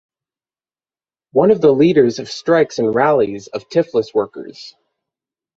One of the leaders of strikes and rallies of Tiflis workers.